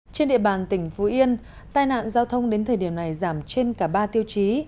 trên địa bàn tỉnh phú yên tai nạn giao thông đến thời điểm này giảm trên cả ba tiêu chí